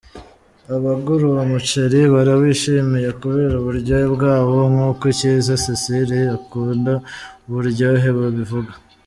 Abagura uwo muceri barawishimiye kubera uburyohe bwawo, nk’uko Cyiza Cecile ukunda Buryohe abivuga.